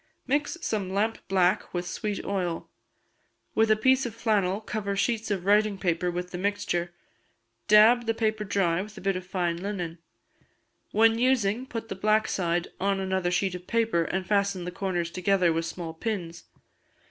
Mix some lamp black with sweet oil. With a piece of flannel cover sheets of writing paper with the mixture; dab the paper dry with a bit of fine linen. When using, put the black side on another sheet of paper, and fasten the corners together with small pins.